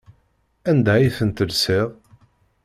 Anda ay ten-telsiḍ?